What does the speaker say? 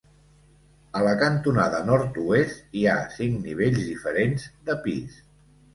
A la cantonada nord-oest hi ha cinc nivells diferents de pis.